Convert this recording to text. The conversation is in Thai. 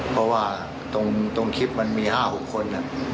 เพราะว่าตรงคลิปมันมี๕๖คน